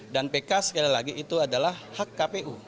dan pk sekali lagi itu adalah hak kpu